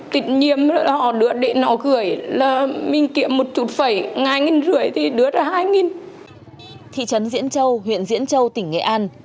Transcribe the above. thị trấn diễn châu huyện diễn châu tỉnh nghệ an